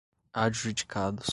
adjudicados